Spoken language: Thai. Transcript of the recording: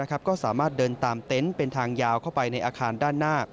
ก็สามารถเดินตามเต็นต์เป็นทางยาวเข้าไปในอาคารด้านหน้า